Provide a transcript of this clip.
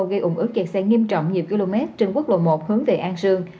gây ủng ức kẹt xe nghiêm trọng nhiều km trên quốc lộ một hướng về an sương